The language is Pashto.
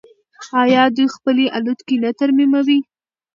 آیا دوی خپلې الوتکې نه ترمیموي؟